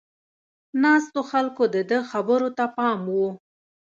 ناستو خلکو د ده خبرو ته پام و.